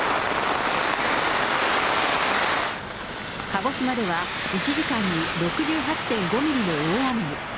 鹿児島では、１時間に６８．５ミリの大雨に。